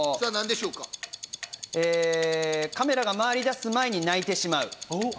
カメラが回り出す前に泣いてしまう。